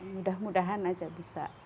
mudah mudahan aja bisa